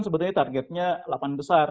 sebetulnya targetnya lapan besar